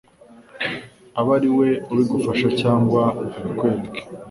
abe ariwe ubigufasha cyangwa abikwereke